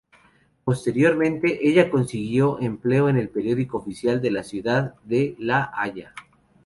Posteriormente, ella consiguió empleo en el periódico oficial de la ciudad de La Haya.